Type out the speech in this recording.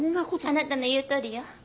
あなたの言うとおりよ。